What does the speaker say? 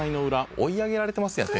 「追い上げられてますやん点数」